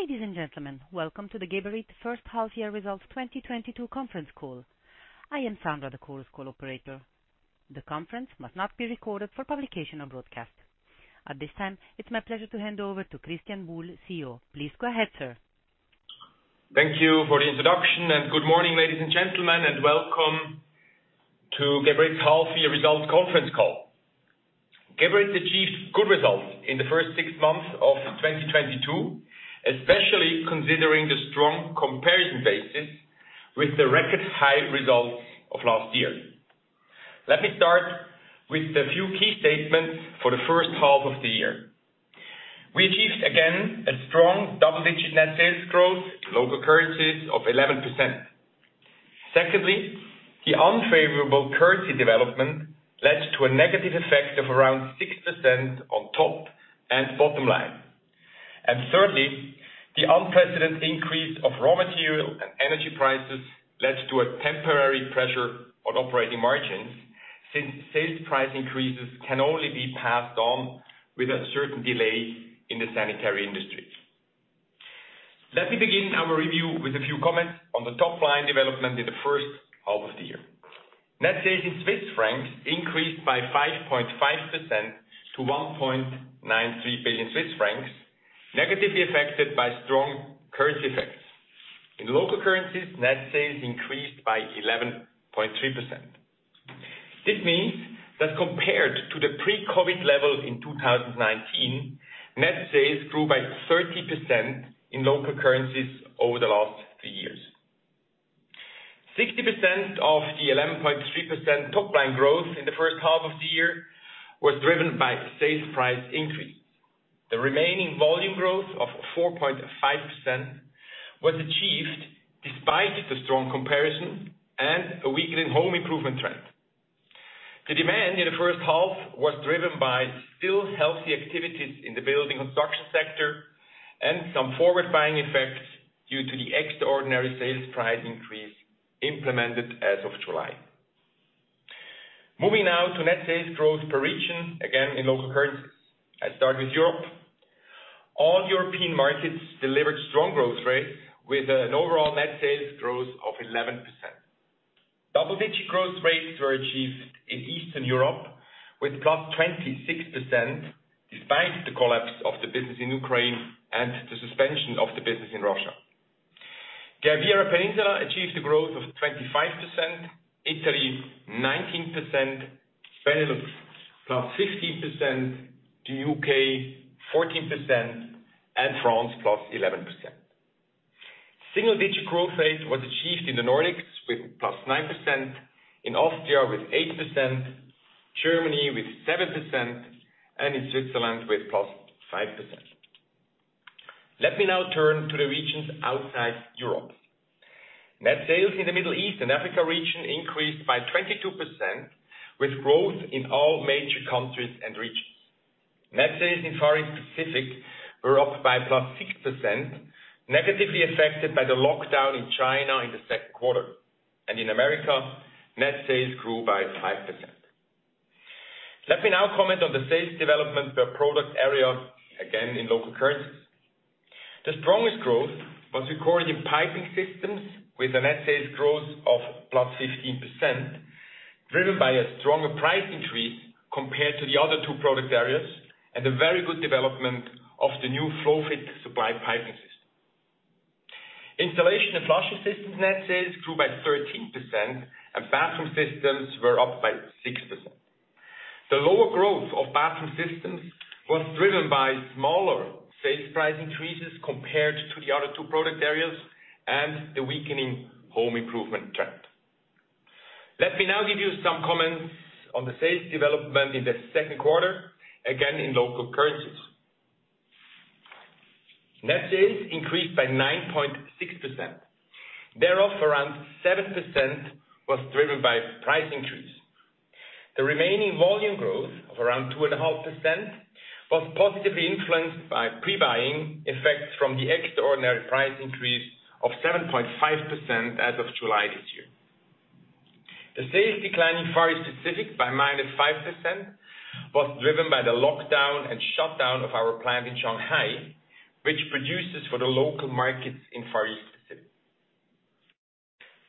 Ladies and gentlemen, welcome to the Geberit First Half Year Results 2022 Conference Call. I am Sandra, the Chorus Call operator. The conference must not be recorded for publication or broadcast. At this time, it's my pleasure to hand over to Christian Buhl, CEO. Please go ahead, sir. Thank you for the introduction, and good morning, ladies and gentlemen, and welcome to Geberit's Half Year Results Conference Call. Geberit achieved good results in the first six months of 2022, especially considering the strong comparison basis with the record high results of last year. Let me start with a few key statements for the first half of the year. We achieved, again, a strong double-digit net sales growth, local currencies of 11%. Secondly, the unfavorable currency development led to a negative effect of around 6% on top and bottom line. Thirdly, the unprecedented increase of raw material and energy prices led to a temporary pressure on operating margins, since sales price increases can only be passed on with a certain delay in the sanitary industry. Let me begin our review with a few comments on the top line development in the first half of the year. Net sales in Swiss francs increased by 5.5% to 1.93 billion Swiss francs, negatively affected by strong currency effects. In local currencies, net sales increased by 11.3%. This means that compared to the pre-COVID levels in 2019, net sales grew by 30% in local currencies over the last three years. 60% of the 11.3% top line growth in the first half of the year was driven by sales price increase. The remaining volume growth of 4.5% was achieved despite the strong comparison and a weakening home improvement trend. The demand in the first half was driven by still healthy activities in the building construction sector and some forward buying effects due to the extraordinary sales price increase implemented as of July. Moving now to net sales growth per region, again in local currencies. I start with Europe. All European markets delivered strong growth rates with an overall net sales growth of 11%. Double-digit growth rates were achieved in Eastern Europe with +26%, despite the collapse of the business in Ukraine and the suspension of the business in Russia. Iberian Peninsula achieved a growth of 25%, Italy 19%, Benelux +16%, the U.K. 14%, and France +11%. Single-digit growth rate was achieved in the Nordics with +9%, in Austria with 8%, Germany with 7%, and in Switzerland with +5%. Let me now turn to the regions outside Europe. Net sales in the Middle East and Africa region increased by 22% with growth in all major countries and regions. Net sales in Far East Pacific were up by +6%, negatively affected by the lockdown in China in the second quarter. In America, net sales grew by 5%. Let me now comment on the sales development per product area, again in local currencies. The strongest growth was recorded in Piping Systems with a net sales growth of +15%, driven by a stronger price increase compared to the other two product areas and a very good development of the new FlowFit supply piping system. Installation and Flushing Systems net sales grew by 13% and Bathroom Systems were up by 6%. The lower growth of Bathroom Systems was driven by smaller sales price increases compared to the other two product areas and the weakening home improvement trend. Let me now give you some comments on the sales development in the second quarter, again in local currencies. Net sales increased by 9.6%. Thereof, around 7% was driven by price increase. The remaining volume growth of around 2.5% was positively influenced by pre-buying effects from the extraordinary price increase of 7.5% as of July this year. The sales decline in Far East Pacific by -5% was driven by the lockdown and shutdown of our plant in Shanghai, which produces for the local markets in Far East Pacific.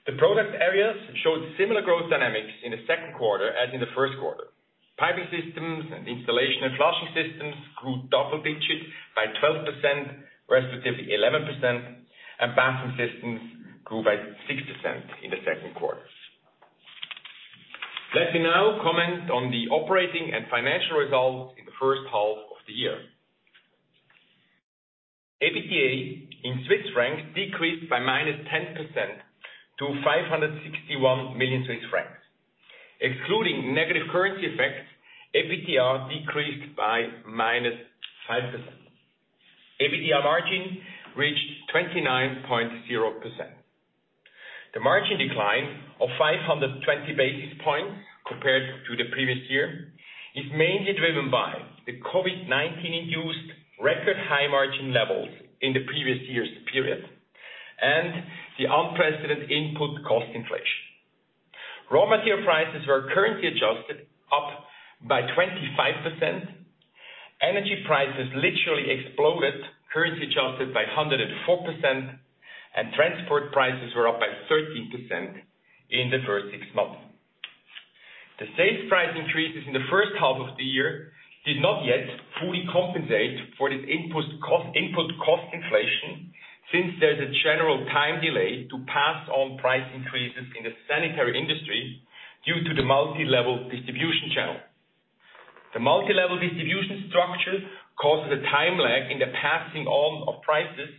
The product areas showed similar growth dynamics in the second quarter as in the first quarter. Piping Systems and Installation and Flushing Systems grew double digits by 12%, respectively 11%, and Bathroom Systems grew by 6% in the second quarter. Let me now comment on the operating and financial results in the first half of the year. EBITDA in CHF decreased by -10% to 561 million Swiss francs. Excluding negative currency effects, EBITDA decreased by -5%. EBITDA margin reached 29.0%. The margin decline of 520 basis points compared to the previous year is mainly driven by the COVID-19 induced record high margin levels in the previous year's period and the unprecedented input cost inflation. Raw material prices were currently adjusted up by 25%. Energy prices literally exploded, currency-adjusted by 104%, and transport prices were up by 13% in the first six months. The sales price increases in the first half of the year did not yet fully compensate for this input cost inflation since there's a general time delay to pass on price increases in the sanitary industry due to the multilevel distribution channel. The multilevel distribution structure causes a time lag in the passing on of prices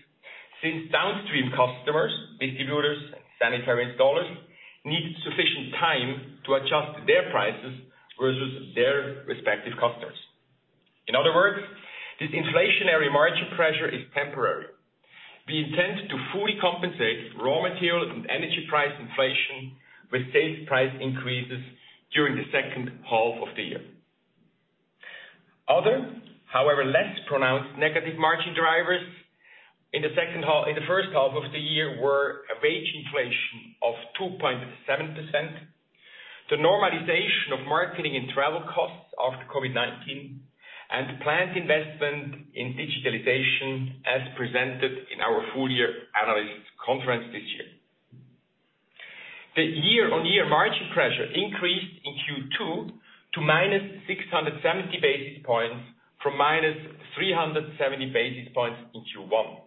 since downstream customers, distributors, and sanitary installers need sufficient time to adjust their prices versus their respective customers. In other words, this inflationary margin pressure is temporary. We intend to fully compensate raw material and energy price inflation with sales price increases during the second half of the year. Other, however, less pronounced negative margin drivers in the first half of the year were a wage inflation of 2.7%. The normalization of marketing and travel costs after COVID-19, and planned investment in digitalization as presented in our full year analyst conference this year. The year-on-year margin pressure increased in Q2 to -670 basis points from -370 basis points in Q1.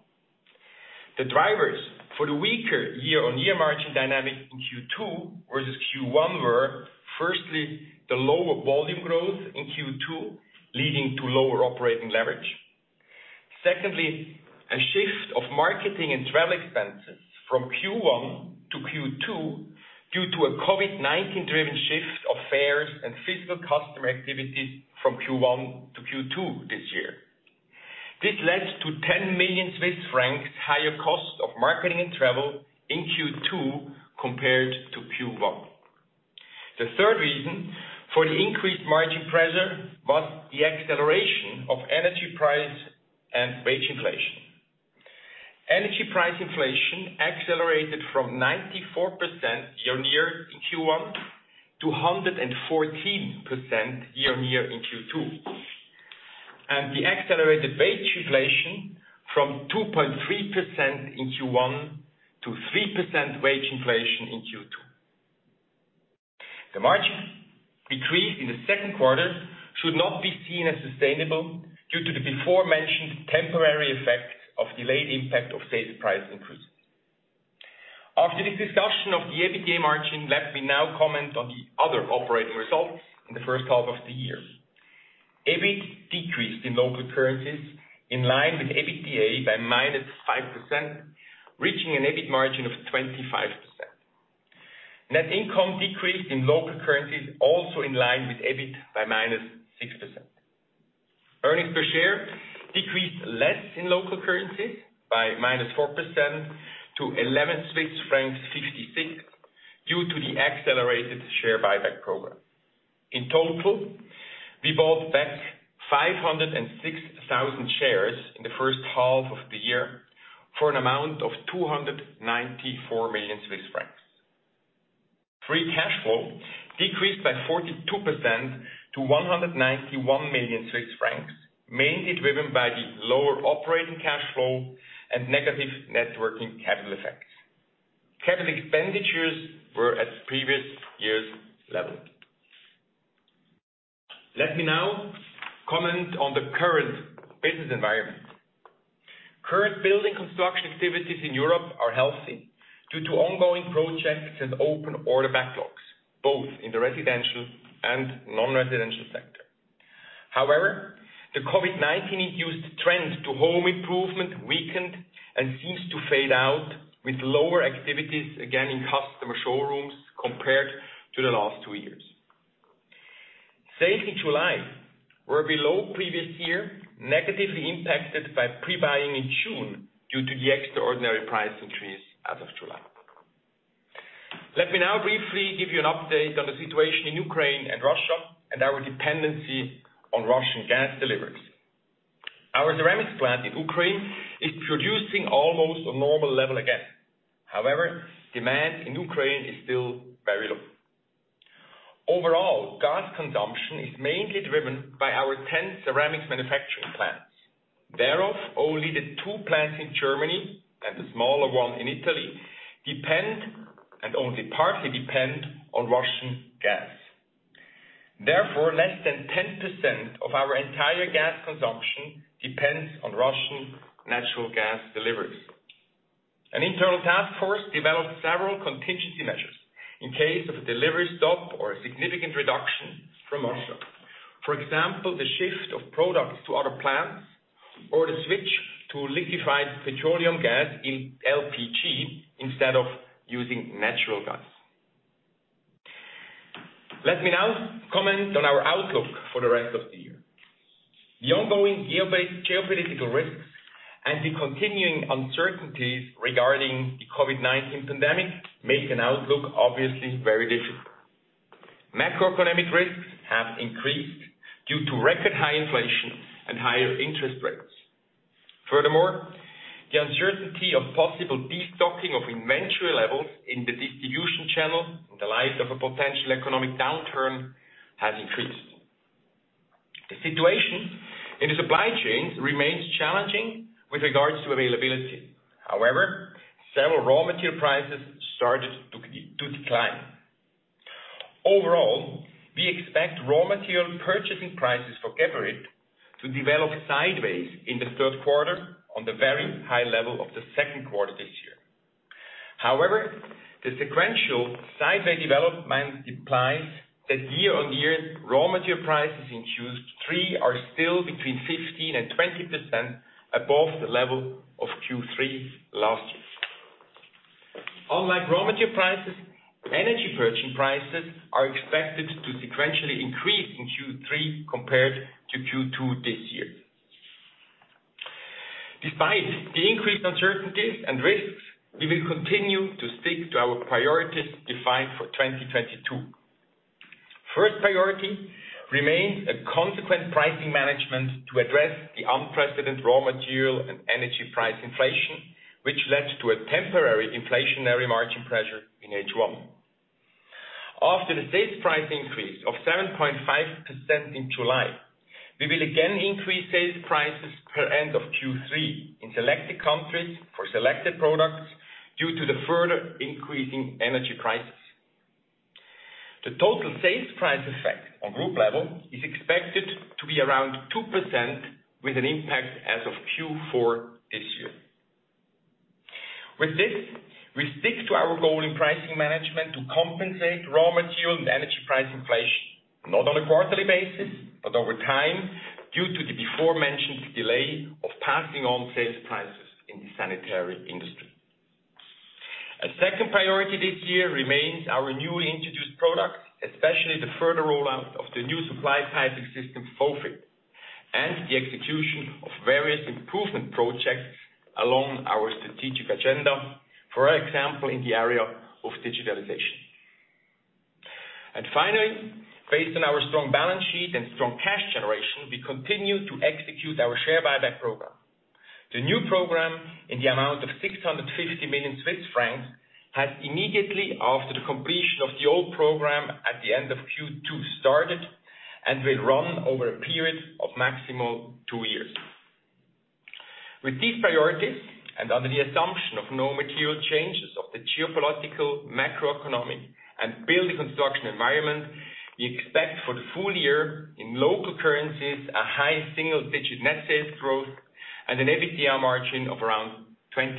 The drivers for the weaker year-on-year margin dynamic in Q2 versus Q1 were firstly, the lower volume growth in Q2, leading to lower operating leverage. Secondly, a shift of marketing and travel expenses from Q1 to Q2 due to a COVID-19 driven shift of fares and physical customer activities from Q1 to Q2 this year. This led to 10 million Swiss francs higher cost of marketing and travel in Q2 compared to Q1. The third reason for the increased margin pressure was the acceleration of energy price and wage inflation. Energy price inflation accelerated from 94% year-on-year in Q1 to 114% year-on-year in Q2. We accelerated wage inflation from 2.3% in Q1 to 3% wage inflation in Q2. The margin decrease in the second quarter should not be seen as sustainable due to the aforementioned temporary effect of delayed impact of sales price increases. After this discussion of the EBITDA margin, let me now comment on the other operating results in the first half of the year. EBIT decreased in local currencies in line with EBITDA by -5%, reaching an EBIT margin of 25%. Net income decreased in local currencies, also in line with EBIT by -6%. Earnings per share decreased less in local currencies by -4% to 11.56 Swiss francs due to the accelerated share buyback program. In total, we bought back 506,000 shares in the first half of the year for an amount of 294 million Swiss francs. Free cash flow decreased by 42% to 191 million Swiss francs, mainly driven by the lower operating cash flow and negative working capital effects. Capital expenditures were at previous year's level. Let me now comment on the current business environment. Current building construction activities in Europe are healthy due to ongoing projects and open order backlogs, both in the residential and non-residential sector. However, the COVID-19 induced trend to home improvement weakened and seems to fade out with lower activities again in customer showrooms compared to the last two years. Sales in July were below previous year, negatively impacted by pre-buying in June due to the extraordinary price increase as of July. Let me now briefly give you an update on the situation in Ukraine and Russia and our dependency on Russian gas deliveries. Our ceramics plant in Ukraine is producing almost a normal level again. However, demand in Ukraine is still very low. Overall, gas consumption is mainly driven by our 10 ceramics manufacturing plants. Thereof, only the two plants in Germany and the smaller one in Italy depend, and only partly depend on Russian gas. Therefore, less than 10% of our entire gas consumption depends on Russian natural gas deliveries. An internal task force developed several contingency measures in case of a delivery stop or a significant reduction from Russia. For example, the shift of products to other plants or the switch to liquefied petroleum gas, i.e., LPG instead of using natural gas. Let me now comment on our outlook for the rest of the year. The ongoing geo-base geopolitical risks and the continuing uncertainties regarding the COVID-19 pandemic make an outlook obviously very difficult. Macroeconomic risks have increased due to record high inflation and higher interest rates. Furthermore, the uncertainty of possible destocking of inventory levels in the distribution channel in the light of a potential economic downturn has increased. The situation in the supply chain remains challenging with regards to availability. However, several raw material prices started to decline. Overall, we expect raw material purchasing prices for Geberit to develop sideways in the third quarter on the very high level of the second quarter this year. However, the sequential sideways development implies that year-on-year raw material prices in Q3 are still between 15%-20% above the level of Q3 last year. Unlike raw material prices, energy purchasing prices are expected to sequentially increase in Q3 compared to Q2 this year. Despite the increased uncertainties and risks, we will continue to stick to our priorities defined for 2022. First priority remains a consistent pricing management to address the unprecedented raw material and energy price inflation, which led to a temporary inflationary margin pressure in H1. After the sales price increase of 7.5% in July, we will again increase sales prices by end of Q3 in selected countries for selected products due to the further increasing energy prices. The total sales price effect on group level is expected to be around 2% with an impact as of Q4 this year. With this, we stick to our goal in pricing management to compensate raw material and energy price inflation, not on a quarterly basis, but over time, due to the aforementioned delay of passing on sales prices in the sanitary industry. A second priority this year remains our newly introduced products, especially the further rollout of the new supply piping system, FlowFit, and the execution of various improvement projects along our strategic agenda, for example, in the area of digitalization. Finally, based on our strong balance sheet and strong cash generation, we continue to execute our share buyback program. The new program, in the amount of 650 million Swiss francs, has immediately after the completion of the old program at the end of Q2 started and will run over a period of maximal two years. With these priorities, and under the assumption of no material changes of the geopolitical, macroeconomic, and building construction environment, we expect for the full year in local currencies a high 1% digit net sales growth and an EBITDA margin of around 28%.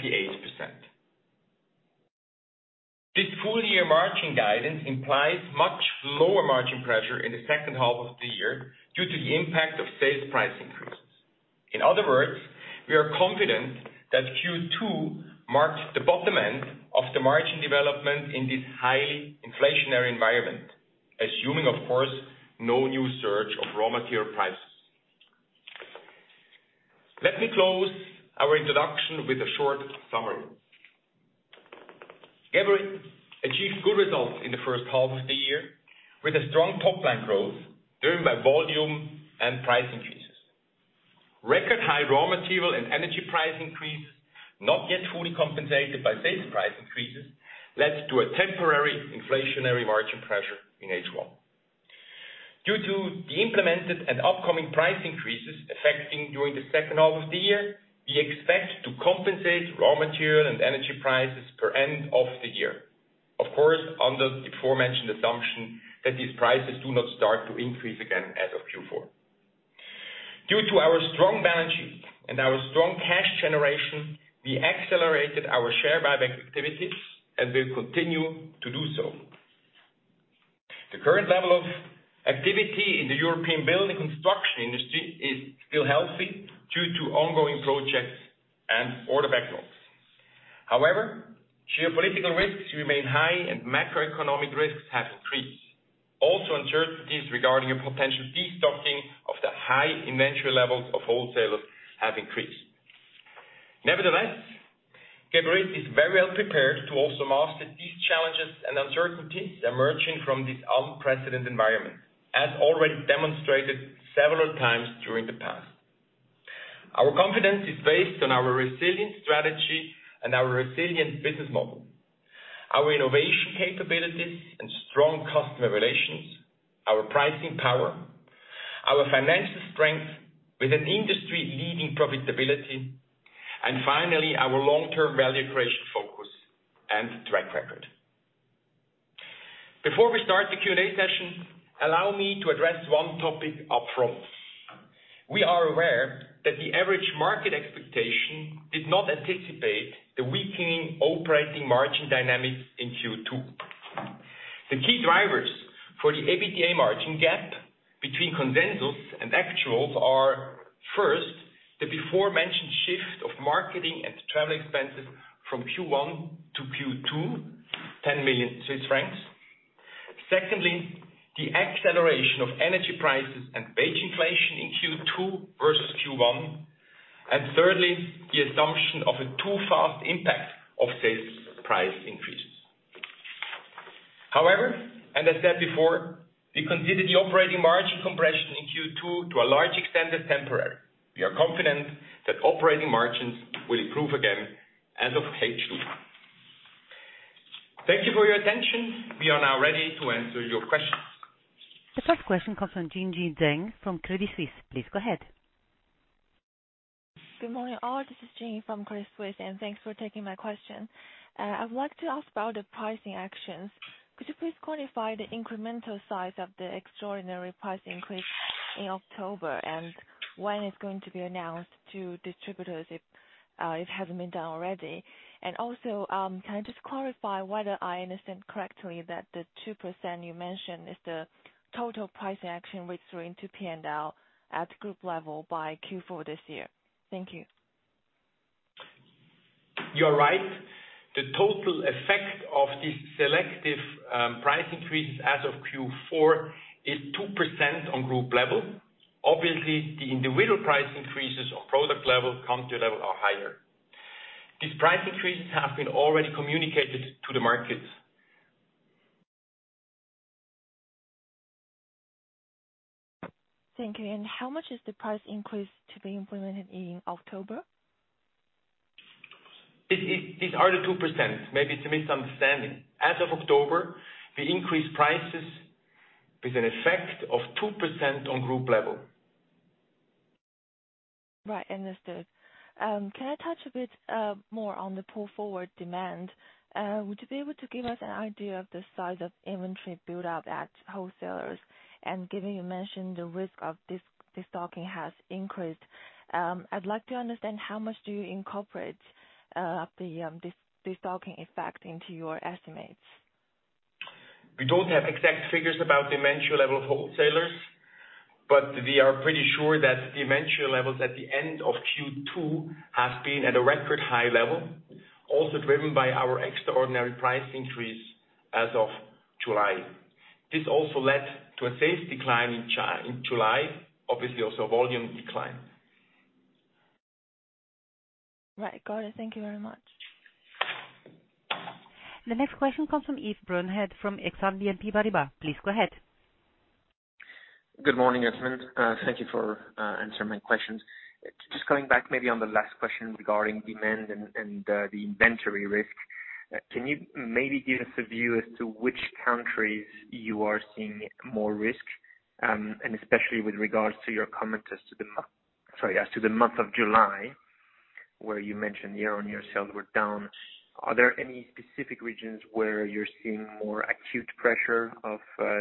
This full year margin guidance implies much lower margin pressure in the second half of the year due to the impact of sales price increases. In other words, we are confident that Q2 marks the bottom end of the margin development in this high inflationary environment, assuming, of course, no new surge of raw material prices. Let me close our introduction with a short summary. Geberit achieved good results in the first half of the year with a strong top line growth driven by volume and price increases. Record high raw material and energy price increases, not yet fully compensated by sales price increases, led to a temporary inflationary margin pressure in H1. Due to the implemented and upcoming price increases affecting during the second half of the year, we expect to compensate raw material and energy prices by end of the year. Of course, under the aforementioned assumption that these prices do not start to increase again as of Q4. Due to our strong balance sheet and our strong cash generation, we accelerated our share buyback activities and will continue to do so. The current level of activity in the European building construction industry is still healthy due to ongoing projects and order backlogs. However, geopolitical risks remain high and macroeconomic risks have increased. Also, uncertainties regarding a potential destocking of the high inventory levels of wholesalers have increased. Nevertheless, Geberit is very well prepared to also master these challenges and uncertainties emerging from this unprecedented environment, as already demonstrated several times during the past. Our confidence is based on our resilient strategy and our resilient business model, our innovation capabilities and strong customer relations, our pricing power, our financial strength with an industry-leading profitability, and finally, our long-term value creation focus and track record. Before we start the Q&A session, allow me to address one topic upfront. We are aware that the average market expectation did not anticipate the weakening operating margin dynamics in Q2. The key drivers for the EBITDA margin gap between consensus and actuals are, first, the aforementioned shift of marketing and travel expenses from Q1 to Q2, 10 million Swiss francs. Secondly, the acceleration of energy prices and wage inflation in Q2 versus Q1. Thirdly, the assumption of a too-fast impact of sales price increases. However, as I said before, we consider the operating margin compression in Q2 to a large extent as temporary. We are confident that operating margins will improve again as of H2. Thank you for your attention. We are now ready to answer your questions. The first question comes from Jingyi Zheng from Credit Suisse. Please go ahead. Good morning, all. This is Jingyi from Credit Suisse, and thanks for taking my question. I would like to ask about the pricing actions. Could you please quantify the incremental size of the extraordinary price increase in October and when it's going to be announced to distributors if it hasn't been done already? Can I just clarify whether I understand correctly that the 2% you mentioned is the total price action which are into P&L at group level by Q4 this year? Thank you. You are right. The total effect of these selective price increases as of Q4 is 2% on group level. Obviously, the individual price increases on product level, country level are higher. These price increases have been already communicated to the markets. Thank you. How much is the price increase to be implemented in October? It's already 2%. Maybe it's a misunderstanding. As of October, we increased prices with an effect of 2% on group level. Right. Understood. Can I touch a bit more on the pull-forward demand? Would you be able to give us an idea of the size of inventory build-up at wholesalers? Given you mentioned the risk of de-stocking has increased, I'd like to understand how much do you incorporate the de-stocking effect into your estimates? We don't have exact figures about inventory level of wholesalers, but we are pretty sure that the inventory levels at the end of Q2 has been at a record high level, also driven by our extraordinary price increase as of July. This also led to a sales decline in July, obviously also a volume decline. Right. Got it. Thank you very much. The next question comes from Yves Bazin from Exane BNP Paribas. Please go ahead. Good morning, Ernst. Thank you for answering my questions. Just coming back maybe on the last question regarding demand and the inventory risk. Can you maybe give us a view as to which countries you are seeing more risk, and especially with regards to your comment as to the month of July, where you mentioned year-on-year sales were down. Are there any specific regions where you're seeing more acute pressure of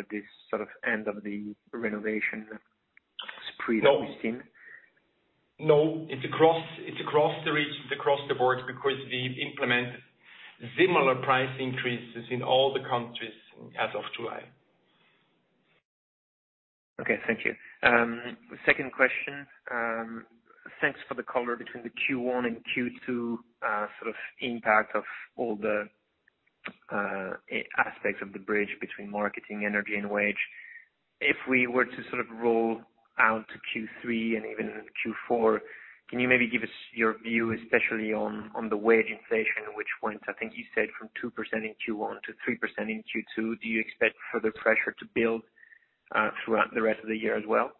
this sort of end of the renovation spree that we've seen? No. It's across the regions, across the board, because we implement similar price increases in all the countries as of July. Okay. Thank you. Second question. Thanks for the color between the Q1 and Q2 sort of impact of all the aspects of the bridge between raw materials, energy, and wages. If we were to sort of roll out to Q3 and even Q4, can you maybe give us your view, especially on the wage inflation, which went, I think you said from 2% in Q1 to 3% in Q2? Do you expect further pressure to build throughout the rest of the year as well?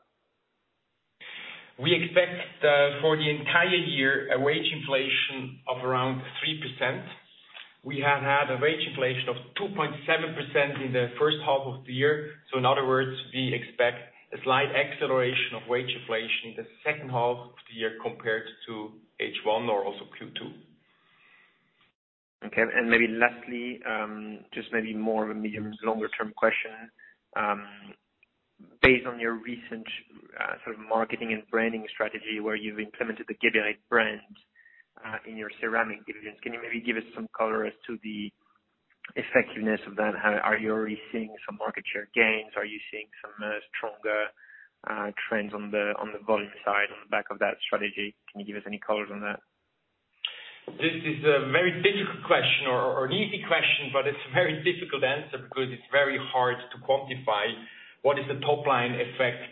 We expect for the entire year a wage inflation of around 3%. We have had a wage inflation of 2.7% in the first half of the year. In other words, we expect a slight acceleration of wage inflation in the second half of the year compared to H1 or also Q2. Okay. Maybe lastly, just maybe more of a medium to longer term question. Based on your recent sort of marketing and branding strategy, where you've implemented the Geberit brand in your ceramic divisions, can you maybe give us some color as to the effectiveness of that? Are you already seeing some market share gains? Are you seeing some stronger trends on the volume side on the back of that strategy? Can you give us any color on that? This is a very difficult question or an easy question, but it's a very difficult answer because it's very hard to quantify what is the top-line effect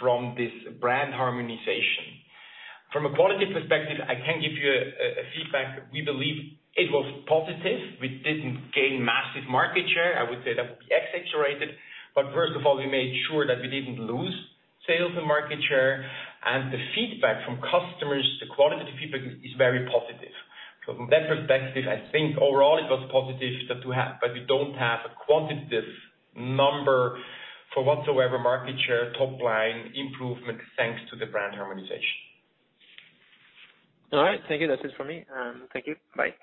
from this brand harmonization. From a quality perspective, I can give you a feedback. We believe it was positive. We didn't gain massive market share. I would say that would be exaggerated. First of all, we made sure that we didn't lose sales and market share. The feedback from customers, the qualitative feedback is very positive. From that perspective, I think overall it was positive but we don't have a quantitative number for whatever market share, top-line improvement, thanks to the brand harmonization. All right. Thank you. That's it for me. Thank you. Bye.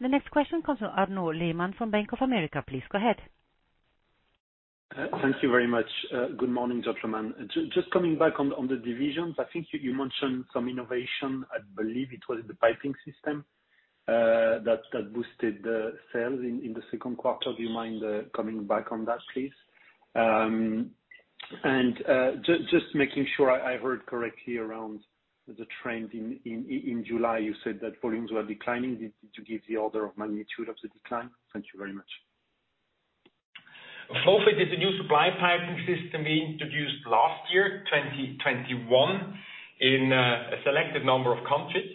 The next question comes from Arnaud Lehmann from Bank of America. Please go ahead. Thank you very much. Good morning, gentlemen. Just coming back on the divisions. I think you mentioned some innovation, I believe it was the piping system that boosted the sales in the second quarter. Do you mind coming back on that, please? Just making sure I heard correctly around the trend in July, you said that volumes were declining. Could you give the order of magnitude of the decline? Thank you very much. FlowFit is a new supply piping system we introduced last year, 2021, in a selected number of countries.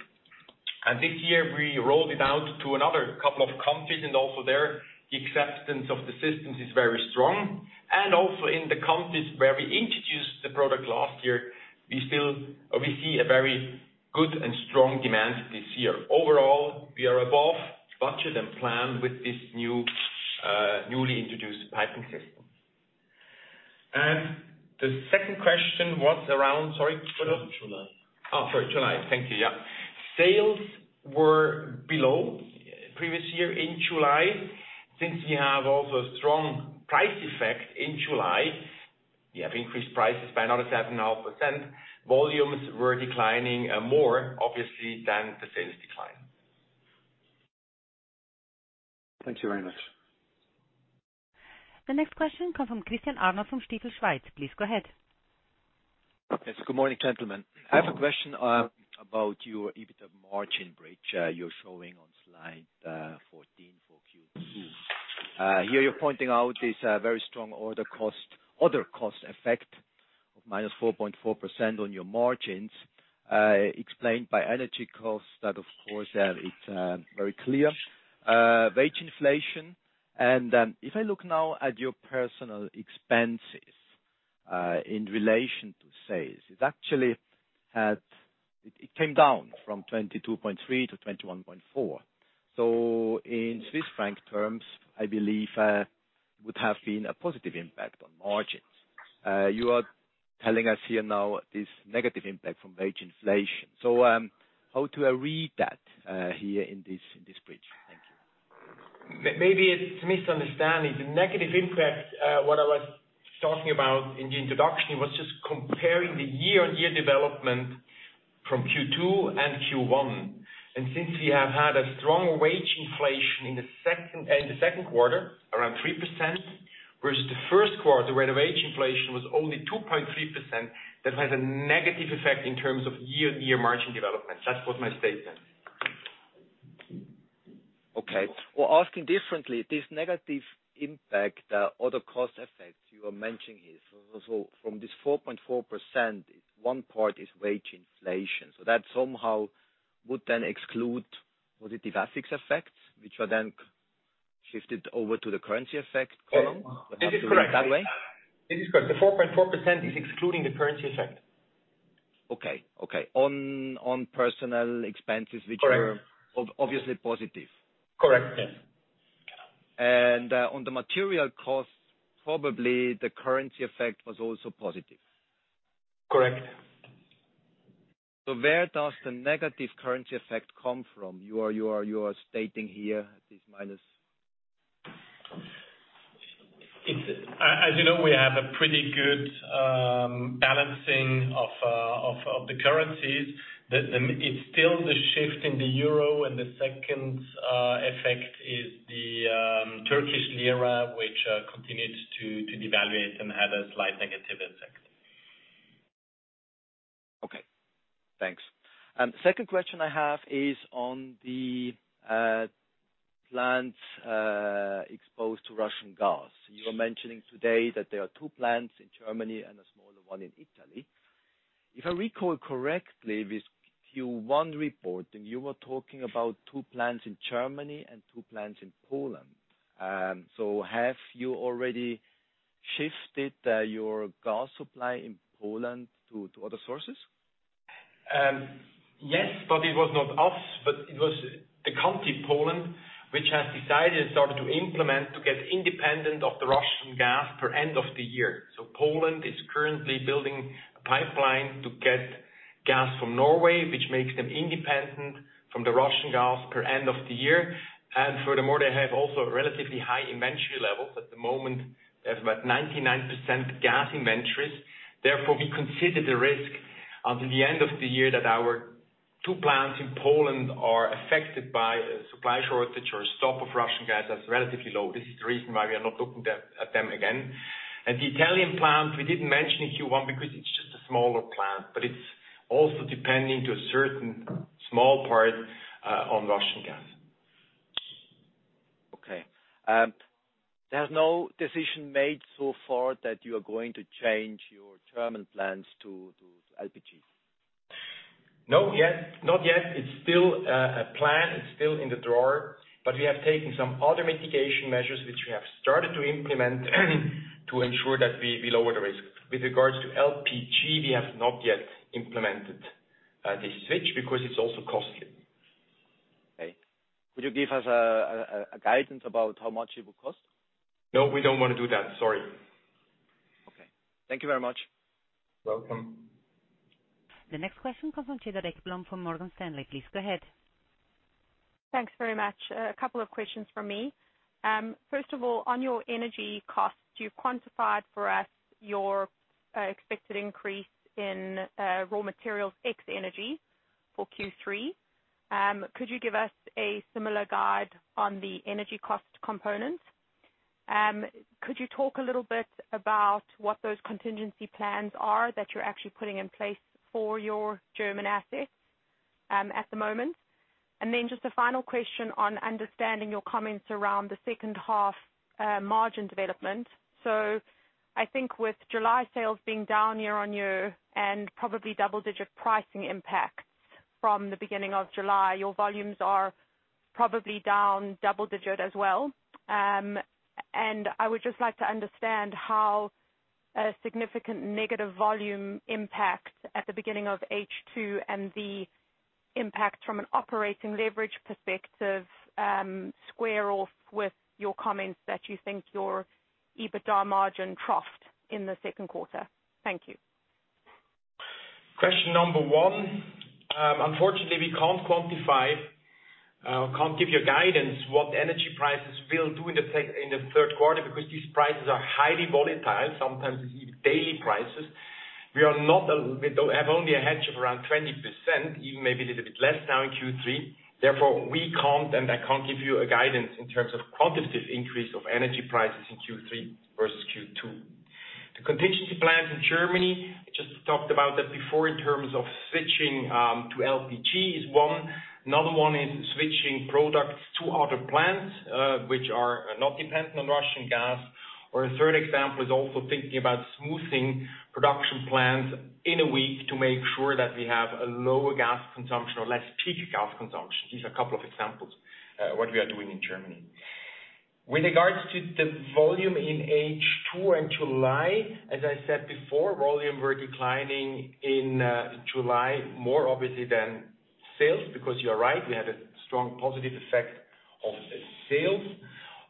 This year we rolled it out to another couple of countries, and also there the acceptance of the systems is very strong. Also in the countries where we introduced the product last year, we see a very good and strong demand this year. Overall, we are above budget and plan with this new, newly introduced piping system. The second question was around. Sorry, Arnaud? July. Oh, sorry. July. Thank you. Yeah. Sales were below previous year in July. Since we have also strong price effect in July, we have increased prices by another 7.5%. Volumes were declining more obviously than the sales decline. Thank you very much. The next question comes from Christian Arnold from Stifel Schweiz. Please go ahead. Yes. Good morning, gentlemen. I have a question about your EBITDA margin bridge you're showing on slide 14 for Q2. Here you're pointing out this very strong order cost, other cost effect of minus 4.4% on your margins, explained by energy costs that of course it's very clear, wage inflation. If I look now at your personnel expenses in relation to sales, it came down from 22.3%-21.4%. In Swiss franc terms, I believe it would have been a positive impact on margins. You are telling us here now this negative impact from wage inflation. How to read that here in this bridge? Thank you. Maybe it's a misunderstanding. The negative impact, what I was talking about in the introduction was just comparing the year-on-year development from Q2 and Q1. Since we have had a strong wage inflation in the second quarter, around 3%, versus the first quarter where the wage inflation was only 2.3%, that has a negative effect in terms of year-on-year margin development. That was my statement. Okay. Well, asking differently, this negative impact, other cost effects you are mentioning is, so from this 4.4% one part is wage inflation, so that somehow would then exclude positive FX effects, which are then shifted over to the currency effect column? Yes. This is correct. That way? This is correct. The 4.4% is excluding the currency effect. Okay. On personal expenses. Correct. which are obviously positive. Correct. Yes. On the material costs, probably the currency effect was also positive. Correct. Where does the negative currency effect come from? You are stating here this minus. As you know, we have a pretty good balancing of the currencies. It's still the shift in the euro and the second effect is the Turkish lira, which continues to devaluate and have a slight negative effect. Okay. Thanks. Second question I have is on the plants exposed to Russian gas. You were mentioning today that there are two plants in Germany and a smaller one in Italy. If I recall correctly, with Q1 report, and you were talking about two plants in Germany and two plants in Poland. Have you already shifted your gas supply in Poland to other sources? Yes, it was not us, but it was the country, Poland, which has decided and started to implement to get independent of the Russian gas per end of the year. Poland is currently building a pipeline to get gas from Norway, which makes them independent from the Russian gas per end of the year. Furthermore, they have also relatively high inventory levels. At the moment, they have about 99% gas inventories. Therefore, we consider the risk until the end of the year that our two plants in Poland are affected by a supply shortage or stop of Russian gas as relatively low. This is the reason why we are not looking at them again. The Italian plant, we didn't mention in Q1 because it's just a smaller plant, but it's also depending to a certain small part on Russian gas. Okay. There's no decision made so far that you are going to change your German plants to LPG? No. Yes. Not yet. It's still a plan. It's still in the drawer, but we have taken some other mitigation measures which we have started to implement, to ensure that we lower the risk. With regards to LPG, we have not yet implemented the switch because it's also costly. Okay. Could you give us a guidance about how much it would cost? No, we don't wanna do that. Sorry. Okay. Thank you very much. Welcome. The next question comes from Cedar Ekblom from Morgan Stanley. Please go ahead. Thanks very much. A couple of questions from me. First of all, on your energy costs, you've quantified for us your expected increase in raw materials and energy for Q3. Could you give us a similar guide on the energy cost components? Could you talk a little bit about what those contingency plans are that you're actually putting in place for your German assets at the moment. Then just a final question on understanding your comments around the second half margin development. I think with July sales being down year-on-year and probably double-digit pricing impact from the beginning of July, your volumes are probably down double-digit as well. I would just like to understand how a significant negative volume impact at the beginning of H2 and the impact from an operating leverage perspective square off with your comments that you think your EBITDA margin troughed in the second quarter. Thank you. Question number one, unfortunately, we can't give you a guidance what energy prices will do in the third quarter because these prices are highly volatile, sometimes even daily prices. We do have only a hedge of around 20%, even maybe a little bit less now in Q3. Therefore, we can't, and I can't give you a guidance in terms of quantitative increase of energy prices in Q3 versus Q2. The contingency plans in Germany, just talked about that before in terms of switching to LPG is one. Another one is switching products to other plants, which are not dependent on Russian gas. Or a third example is also thinking about smoothing production plans in a week to make sure that we have a lower gas consumption or less peak gas consumption. These are a couple of examples, what we are doing in Germany. With regards to the volume in H2 and July, as I said before, volume were declining in July more obviously than sales, because you are right, we had a strong positive effect on the sales.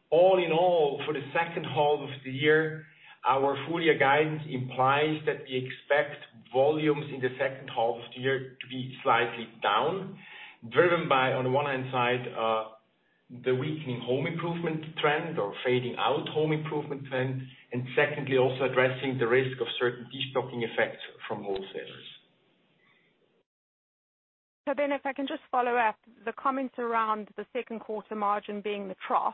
All in all, for the second half of the year, our full year guidance implies that we expect volumes in the second half of the year to be slightly down, driven by, on the one hand side, the weakening home improvement trend or fading out home improvement trend, and secondly, also addressing the risk of certain destocking effects from wholesalers. If I can just follow up, the comments around the second quarter margin being the trough.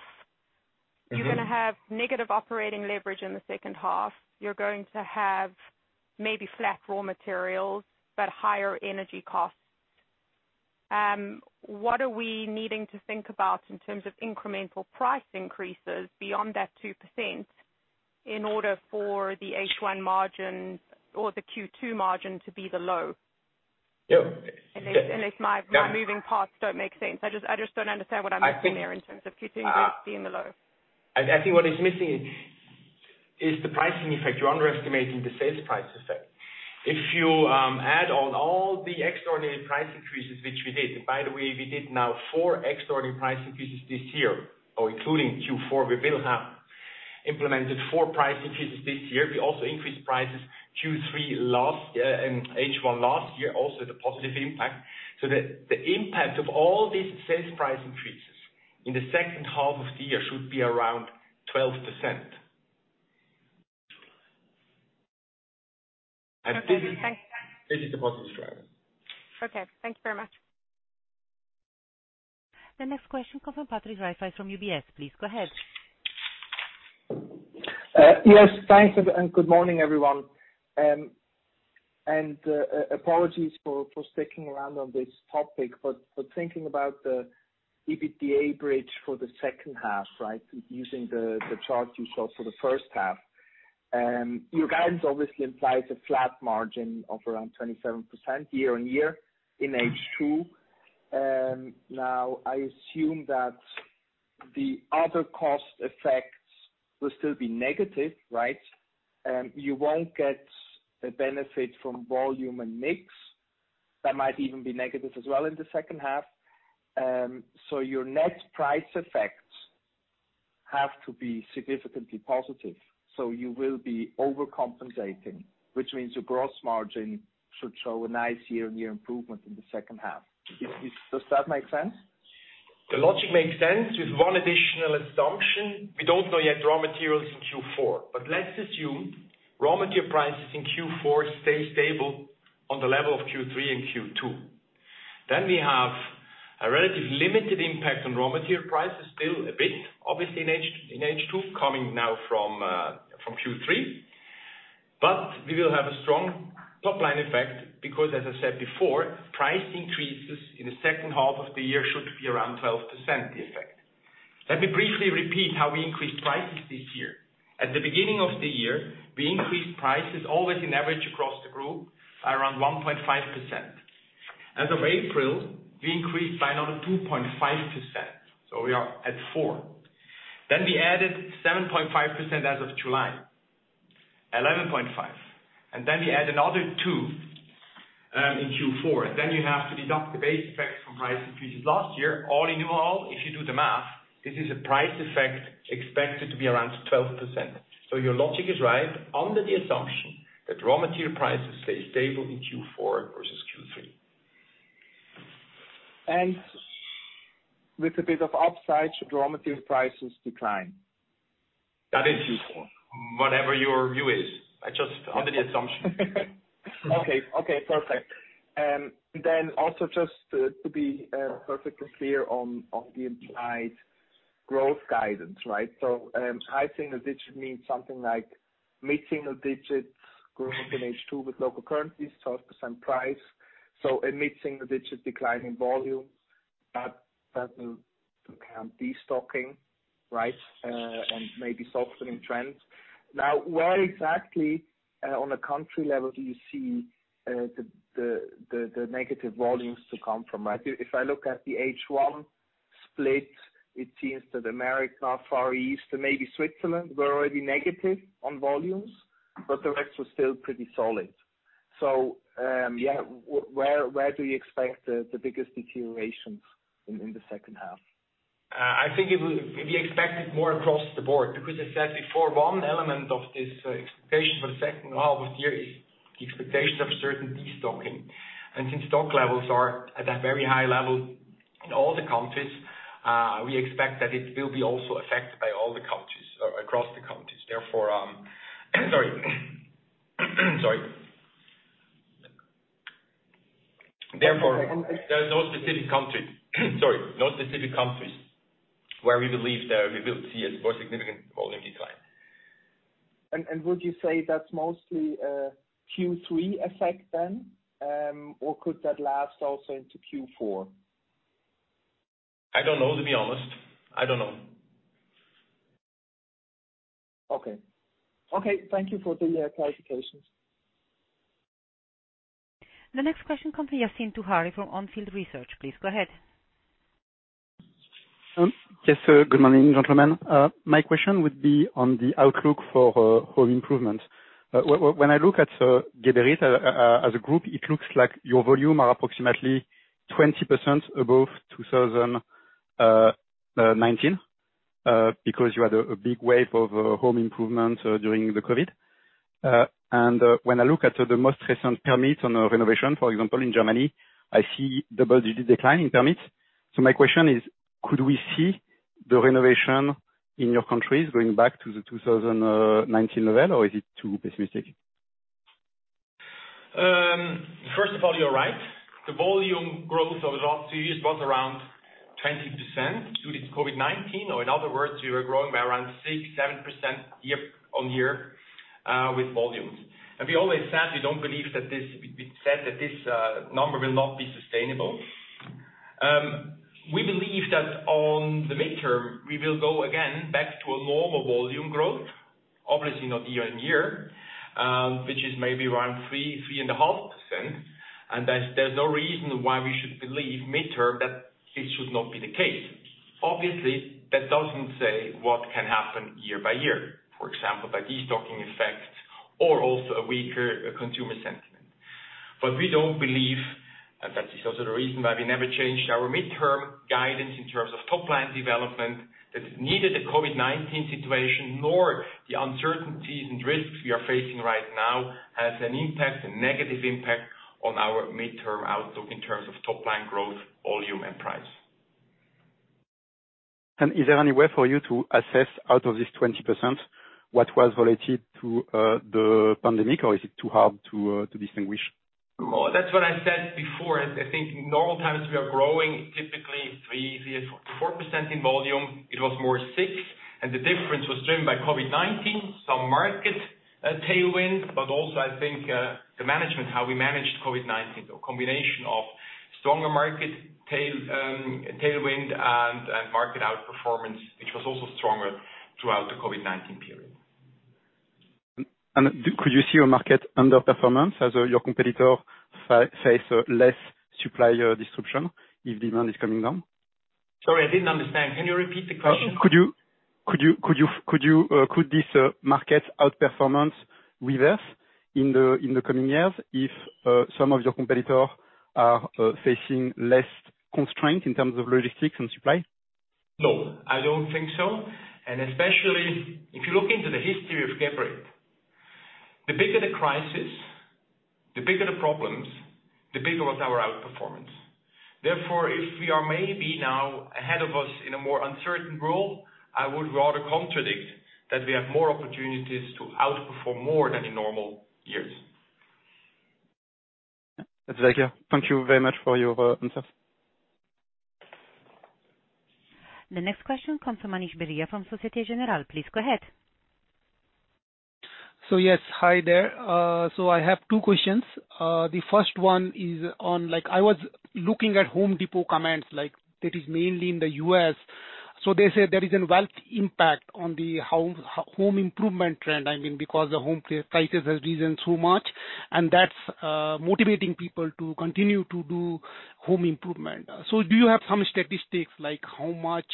Mm-hmm. You're gonna have negative operating leverage in the second half. You're going to have maybe flat raw materials, but higher energy costs. What are we needing to think about in terms of incremental price increases beyond that 2% in order for the H1 margin or the Q2 margin to be the low? Yeah. Unless my moving parts don't make sense. I just don't understand what I'm missing there in terms of Q2 being the low. I think what is missing is the pricing effect. You're underestimating the sales price effect. If you add on all the extraordinary price increases, which we did, by the way, we did now four extraordinary price increases this year, or including Q4, we will have implemented 4 price increases this year. We also increased prices Q3 last year and H1 last year, also the positive impact. The impact of all these sales price increases in the second half of the year should be around 12%. This is. Okay, thanks. This is the positive driver. Okay. Thanks very much. The next question comes from Patrick Rafaisz from UBS. Please go ahead. Yes, thanks and good morning, everyone. Apologies for sticking around on this topic, but thinking about the EBITDA bridge for the second half, right? Using the charts you showed for the first half. Your guidance obviously implies a flat margin of around 27% year-on-year in H2. Now, I assume that the other cost effects will still be negative, right? You won't get a benefit from volume and mix. That might even be negative as well in the second half. Your net price effects have to be significantly positive, so you will be overcompensating, which means your gross margin should show a nice year-on-year improvement in the second half. Does that make sense? The logic makes sense with one additional assumption. We don't know yet raw materials in Q4. Let's assume raw material prices in Q4 stay stable on the level of Q3 and Q2. We have a relatively limited impact on raw material prices, still a bit, obviously in H2, coming now from Q3. We will have a strong top line effect because as I said before, price increases in the second half of the year should be around 12% effect. Let me briefly repeat how we increased prices this year. At the beginning of the year, we increased prices on average across the group by around 1.5%. As of April, we increased by another 2.5%, so we are at 4%. Then we added 7.5% as of July. 11.5%. We add another 2% in Q4. You have to deduct the base effects from price increases last year. All in all, if you do the math, this is a price effect expected to be around 12%. Your logic is right under the assumption that raw material prices stay stable in Q4 versus Q3. With a bit of upside should raw material prices decline. That is useful. Whatever your view is. I just under the assumption. Okay. Okay, perfect. Also just to be perfect and clear on the implied. Growth guidance, right? I think single digit means something like mid-single digits growth in H2 with local currencies, 12% price. A mid-single digit decline in volume that will account destocking, right, and maybe softening trends. Now, where exactly on a country level do you see the negative volumes to come from, right? If I look at the H1 split, it seems that America, Far East and maybe Switzerland were already negative on volumes, but the rest was still pretty solid. Where do you expect the biggest deterioration in the second half? I think we expect it more across the board because I said before, one element of this expectation for the second half of the year is the expectation of certain destocking. Since stock levels are at a very high level in all the countries, we expect that it will be also affected by all the countries, across the countries. Therefore, there are no specific countries where we believe that we will see a more significant volume decline. Would you say that's mostly a Q3 effect then, or could that last also into Q4? I don't know, to be honest. I don't know. Okay, thank you for the clarifications. The next question comes from Yassine Touahri from On Field Investment Research. Please go ahead. Yes, good morning, gentlemen. My question would be on the outlook for home improvement. When I look at Geberit as a group, it looks like your volume are approximately 20% above 2019 because you had a big wave of home improvement during the COVID. When I look at the most recent permits on a renovation, for example, in Germany, I see double-digit decline in permits. My question is, could we see the renovation in your countries going back to the 2019 level or is it too pessimistic? First of all, you're right. The volume growth over last two years was around 20% due to COVID-19. In other words, we were growing by around 6%-7% year-on-year with volumes. We always said we don't believe that this number will not be sustainable. We believe that on the mid-term, we will go again back to a normal volume growth, obviously not year-on-year, which is maybe around 3%-3.5%. There's no reason why we should believe mid-term that this should not be the case. Obviously, that doesn't say what can happen year by year, for example, by destocking effects or also a weaker consumer sentiment. We don't believe, and that is also the reason why we never changed our mid-term guidance in terms of top line development, that neither the COVID-19 situation nor the uncertainties and risks we are facing right now has an impact, a negative impact on our mid-term outlook in terms of top line growth, volume and price. Is there any way for you to assess out of this 20% what was related to the pandemic or is it too hard to distinguish? Well, that's what I said before. I think in normal times we are growing typically three to four percent in volume. It was more six, and the difference was driven by COVID-19, some market tailwind, but also I think the management, how we managed COVID-19. Combination of stronger market tailwind and market outperformance, which was also stronger throughout the COVID-19 period. Could you see your market underperformance as your competitors face less supplier disruption if demand is coming down? Sorry, I didn't understand. Can you repeat the question? Could this market outperformance reverse in the coming years if some of your competitor are facing less constraint in terms of logistics and supply? No, I don't think so. Especially if you look into the history of Geberit, the bigger the crisis, the bigger the problems, the bigger was our outperformance. Therefore, if we are maybe now ahead of us in a more uncertain world, I would rather contradict that we have more opportunities to outperform more than in normal years. That's very clear. Thank you very much for your answers. The next question comes from Manish Beria from Société Générale. Please go ahead. Yes. Hi there. I have two questions. The first one is on like I was looking at Home Depot comments like that is mainly in the U.S. They say there is a wealth impact on the home improvement trend. I mean, because the home prices has risen so much and that's motivating people to continue to do home improvement. Do you have some statistics like how much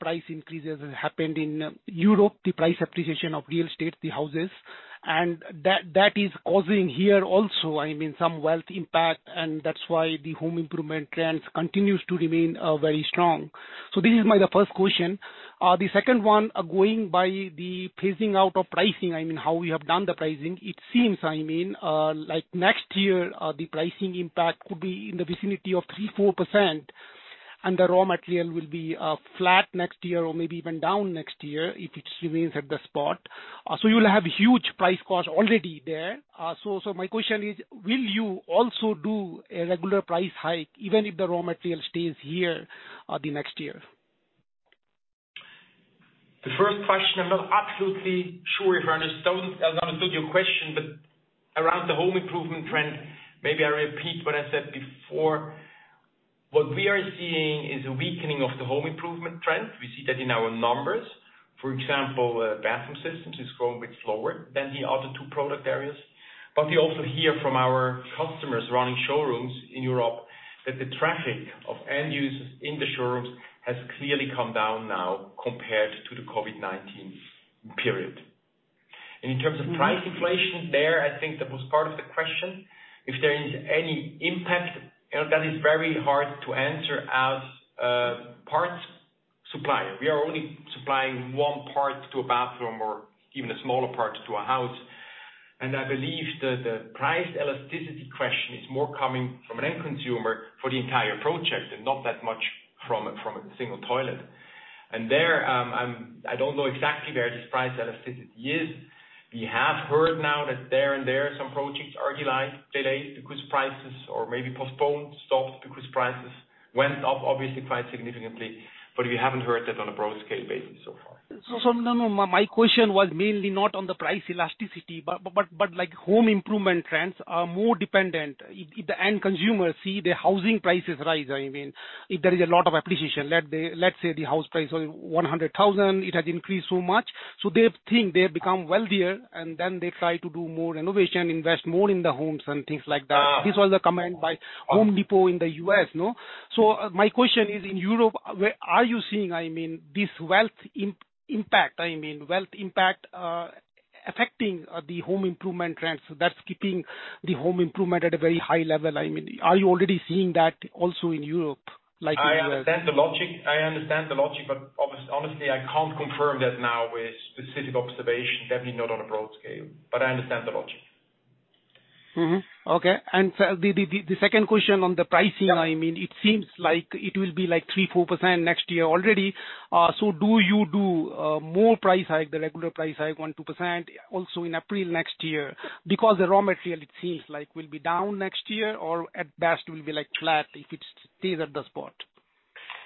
price increases has happened in Europe, the price appreciation of real estate, the houses, and that is causing here also, I mean, some wealth impact and that's why the home improvement trends continues to remain very strong. This is my first question. The second one, going by the phasing out of pricing, I mean, how we have done the pricing, it seems, I mean, like next year, the pricing impact could be in the vicinity of 3%-4% and the raw material will be flat next year or maybe even down next year if it remains at the spot. You'll have huge price cost already there. My question is, will you also do a regular price hike even if the raw material stays here, the next year? The first question, I'm not absolutely sure if I understood your question, but around the home improvement trend, maybe I repeat what I said before. What we are seeing is a weakening of the home improvement trend. We see that in our numbers. For example, bathroom systems is growing a bit slower than the other two product areas. But we also hear from our customers running showrooms in Europe that the traffic of end users in the showrooms has clearly come down now compared to the COVID-19 period. In terms of price inflation, there, I think that was part of the question. If there is any impact, you know, that is very hard to answer as a parts supplier. We are only supplying one part to a bathroom or even a smaller part to a house. I believe that the price elasticity question is more coming from an end consumer for the entire project and not that much from a single toilet. There, I don't know exactly where this price elasticity is. We have heard now that here and there some projects are delayed because prices or maybe postponed, stopped because prices went up obviously quite significantly. We haven't heard that on a broad scale basis so far. No. My question was mainly not on the price elasticity, but like home improvement trends are more dependent. If the end consumers see the housing prices rise, I mean, if there is a lot of appreciation, let's say the house price was 100,000, it has increased so much, so they think they become wealthier and then they try to do more renovation, invest more in the homes and things like that. Ah. This was the comment by Home Depot in the U.S., no? My question is, in Europe, where are you seeing, I mean, this wealth impact affecting the home improvement trends that's keeping the home improvement at a very high level? I mean, are you already seeing that also in Europe like in the U.S.? I understand the logic, but honestly, I can't confirm that now with specific observation, definitely not on a broad scale. I understand the logic. Mm-hmm. Okay. The second question on the pricing, I mean, it seems like it will be like 3%-4% next year already. So do you more price hike, the regular price hike, 1%-2% also in April next year? Because the raw material, it seems like will be down next year or at best will be like flat if it stays at the spot.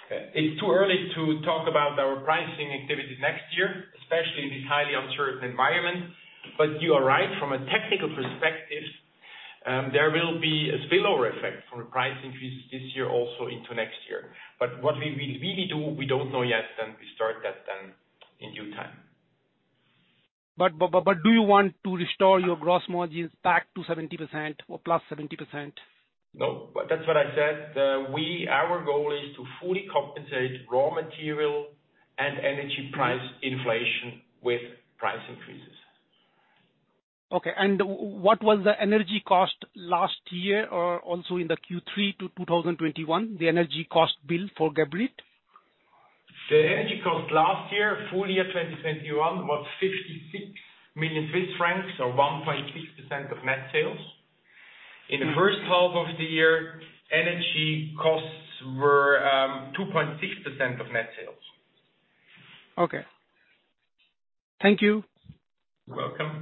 It's too early to talk about our pricing activity next year, especially in this highly uncertain environment. You are right, from a technical perspective, there will be a spillover effect from the price increase this year also into next year. What we will really do, we don't know yet, and we start that then in due time. Do you want to restore your gross margins back to 70% or +70%? No. That's what I said. Our goal is to fully compensate raw material and energy price inflation with price increases. What was the energy cost last year or also in Q3 2021, the energy cost bill for Geberit? The energy cost last year, full year 2021, was 56 million Swiss francs or 1.6% of net sales. In the first half of the year, energy costs were 2.6% of net sales. Okay. Thank you. You're welcome.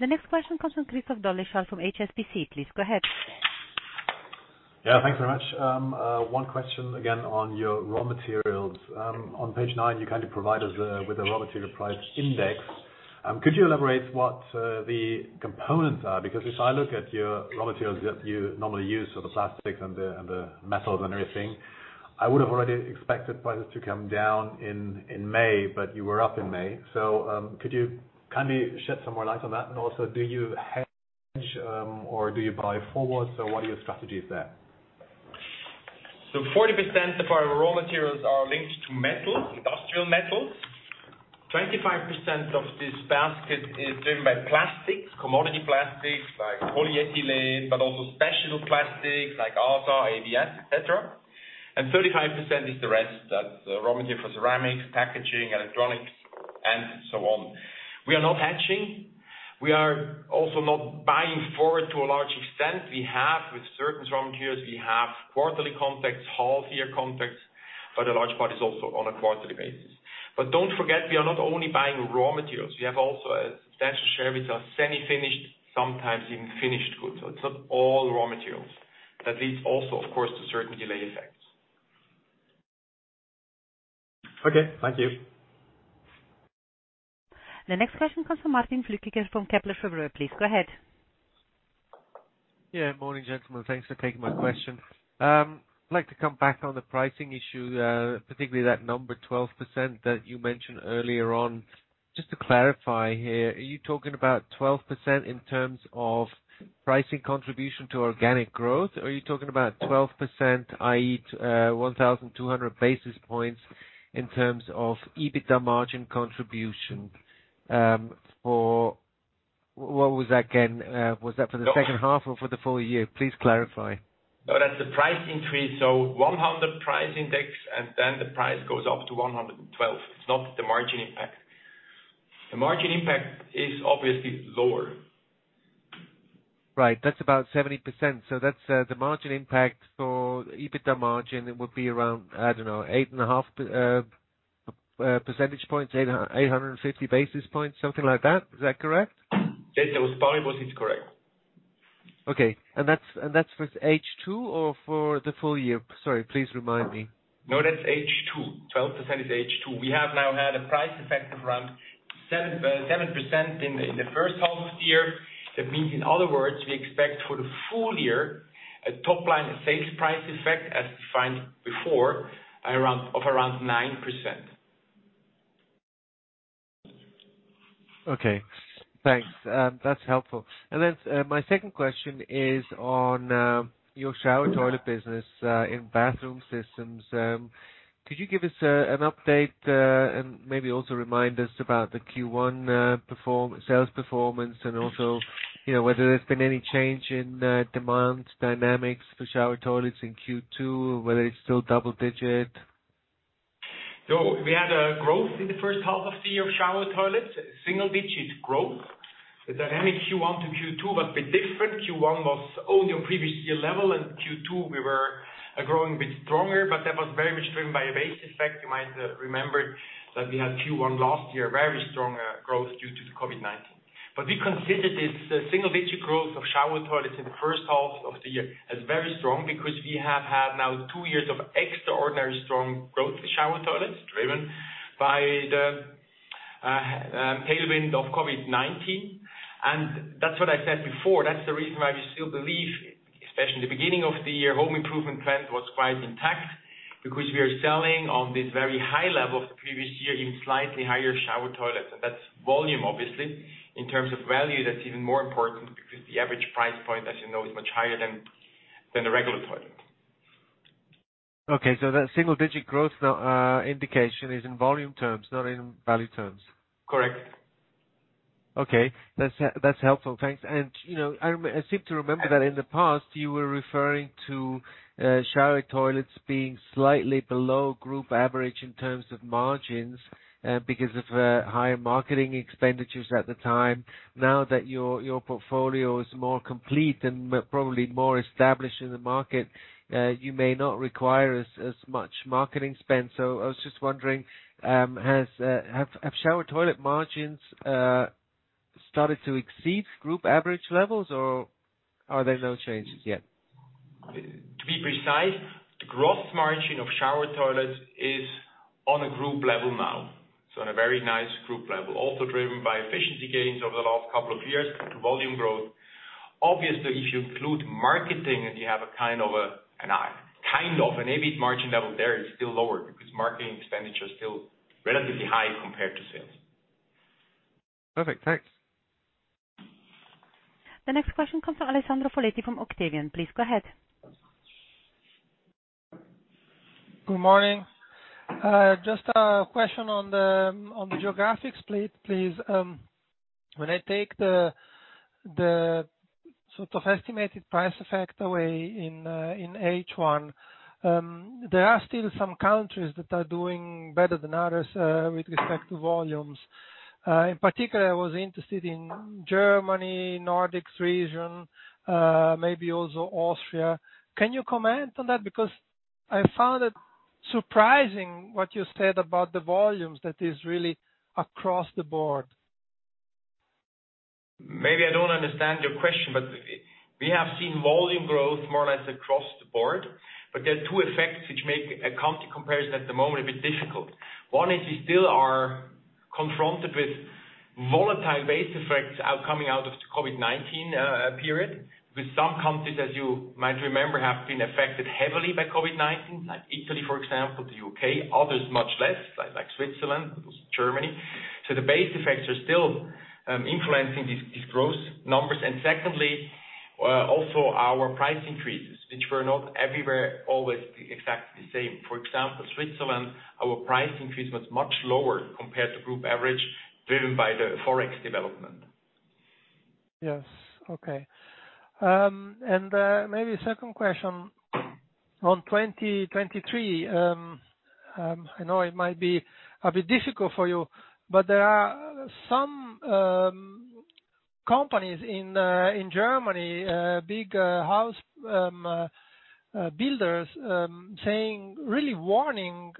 The next question comes from Christoph Dolleschal from HSBC. Please go ahead. Yeah, thanks very much. One question again on your raw materials. On page nine, you kindly provide us with a raw material price index. Could you elaborate what the components are? Because if I look at your raw materials that you normally use, so the plastics and the metals and everything, I would have already expected prices to come down in May, but you were up in May. Could you kindly shed some more light on that? And also, do you hedge or do you buy forwards or what are your strategies there? 40% of our raw materials are linked to metals, industrial metals. 25% of this basket is driven by plastics, commodity plastics like polyethylene, but also special plastics like ACAB, ABS, et cetera. 35% is the rest. That's raw material for ceramics, packaging, electronics, and so on. We are not hedging. We are also not buying forward to a large extent. We have with certain raw materials. We have quarterly contracts, half-year contracts, but a large part is also on a quarterly basis. Don't forget, we are not only buying raw materials. We have also a substantial share with our semi-finished, sometimes even finished goods. It's not all raw materials. That leads also, of course, to certain delay effects. Okay, thank you. The next question comes from Martin Flueckiger from Kepler Cheuvreux. Please go ahead. Morning, gentlemen. Thanks for taking my question. I'd like to come back on the pricing issue, particularly that number 12% that you mentioned earlier on. Just to clarify here, are you talking about 12% in terms of pricing contribution to organic growth, or are you talking about 12%, i.e., 1,200 basis points in terms of EBITDA margin contribution? What was that again? Was that for the. No. Second half or for the full year? Please clarify. No, that's the price increase. 100 price index, and then the price goes up to 112. It's not the margin impact. The margin impact is obviously lower. Right. That's about 70%. That's the margin impact for EBITDA margin. It would be around, I don't know, 8.5 percentage points, 850 basis points, something like that. Is that correct? Yes, that was probably it correct. Okay. That's for H2 or for the full year? Sorry, please remind me. No, that's H2. 12% is H2. We have now had a price effect of around 7% in the first half of the year. That means, in other words, we expect for the full year a top line sales price effect as defined before of around 9%. Okay, thanks. That's helpful. My second question is on your shower toilet business in bathroom systems. Could you give us an update and maybe also remind us about the Q1 sales performance and also, you know, whether there's been any change in demand dynamics for shower toilets in Q2, whether it's still double digit. We had a growth in the first half of the year of shower toilets, single-digit growth. The dynamic Q1 to Q2 was a bit different. Q1 was only on previous year level, and Q2 we were growing a bit stronger, but that was very much driven by a base effect. You might remember that we had Q1 last year, very strong growth due to the COVID-19. We consider this single-digit growth of shower toilets in the first half of the year as very strong because we have had now two years of extraordinary strong growth in shower toilets, driven by the tailwind of COVID-19. That's what I said before. That's the reason why we still believe, especially in the beginning of the year, home improvement trend was quite intact because we are selling on this very high level of the previous year in slightly higher shower toilets. That's volume, obviously. In terms of value, that's even more important because the average price point, as you know, is much higher than the regular toilet. Okay. That single-digit growth indication is in volume terms, not in value terms. Correct. Okay. That's helpful. Thanks. You know, I seem to remember that in the past you were referring to shower toilets being slightly below group average in terms of margins because of higher marketing expenditures at the time. Now that your portfolio is more complete and probably more established in the market, you may not require as much marketing spend. I was just wondering, have shower toilet margins started to exceed group average levels or are there no changes yet? To be precise, the gross margin of shower toilets is on a group level now, so on a very nice group level. Also driven by efficiency gains over the last couple of years due to volume growth. Obviously, if you include marketing and you have a kind of an EBIT margin level there, it's still lower because marketing expenditure is still relatively high compared to sales. Perfect. Thanks. The next question comes from Alessandro Foletti from Octavian AG. Please go ahead. Good morning. Just a question on the geographic split, please. When I take the sort of estimated price effect away in H1, there are still some countries that are doing better than others with respect to volumes. In particular, I was interested in Germany, Nordics region, maybe also Austria. Can you comment on that? Because I found it surprising what you said about the volumes that is really across the board. Maybe I don't understand your question, but we have seen volume growth more or less across the board. There are two effects which make a country comparison at the moment a bit difficult. One is we still are confronted with volatile base effects coming out of the COVID-19 period, with some countries, as you might remember, have been affected heavily by COVID-19, like Italy, for example, the U.K., others much less, like Switzerland, Germany. The base effects are still influencing these growth numbers. Secondly, also our price increases, which were not everywhere always exactly the same. For example, Switzerland, our price increase was much lower compared to group average driven by the FX development. Yes. Okay. Maybe a second question on 2023. I know it might be a bit difficult for you, but there are some companies in Germany, big house builders, saying really warning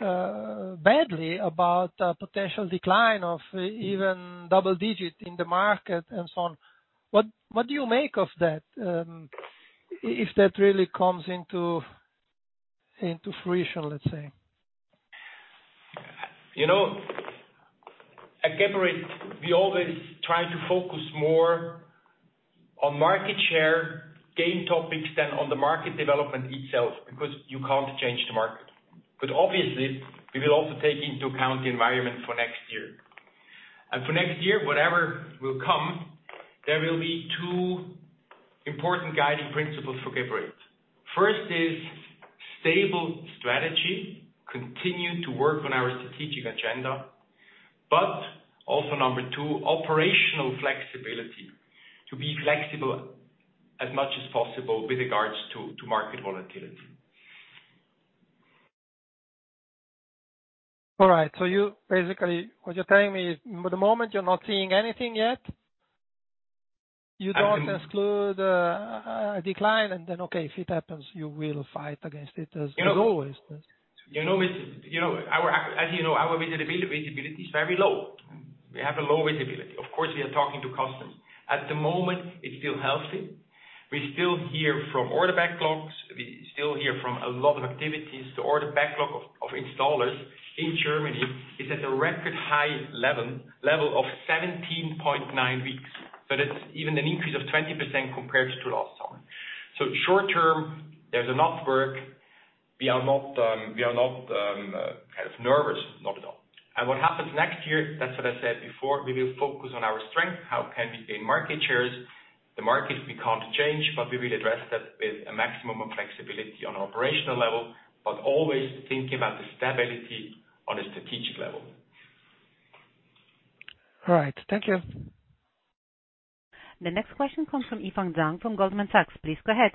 badly about a potential decline of even double digit in the market and so on. What do you make of that, if that really comes into fruition, let's say? You know, at Geberit, we always try to focus more on market share gain topics than on the market development itself, because you can't change the market. Obviously, we will also take into account the environment for next year. For next year, whatever will come, there will be two important guiding principles for Geberit. First is stable strategy, continue to work on our strategic agenda. Also number two, operational flexibility, to be flexible as much as possible with regards to market volatility. All right. You basically, what you're telling me is at the moment, you're not seeing anything yet. You don't exclude a decline and then, okay, if it happens, you will fight against it as always. You know, as you know, our visibility is very low. We have a low visibility. Of course, we are talking to customers. At the moment, it's still healthy. We still hear from order backlogs, we still hear from a lot of activities. The order backlog of installers in Germany is at a record high level of 17.9 weeks. That's even an increase of 20% compared to last summer. Short term, there's enough work. We are not nervous. Not at all. What happens next year, that's what I said before, we will focus on our strength. How can we gain market shares? The markets we can't change, but we will address that with a maximum of flexibility on operational level, but always thinking about the stability on a strategic level. All right. Thank you. The next question comes from Yifan Zhang from Goldman Sachs. Please go ahead.